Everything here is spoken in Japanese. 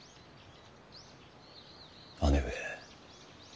姉上。